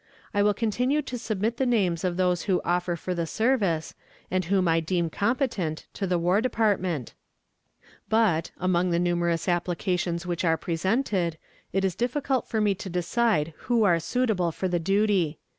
I will continue to submit the names of those who offer for the service, and whom I deem competent, to the War Department; but, among the numerous applications which are presented, it is difficult for me to decide who are suitable for the duty.